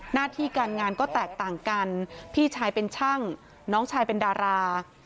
หน้าที่การงานก็แตกต่างกันพี่ชายเป็นช่างน้องชายเป็นดารา